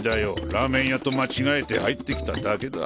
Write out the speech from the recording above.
ラーメン屋と間違えて入ってきただけだ。